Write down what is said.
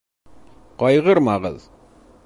Ҡайғырмағыҙ!